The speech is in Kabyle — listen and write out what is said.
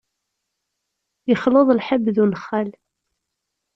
Yexleḍ lḥeb d unexxal.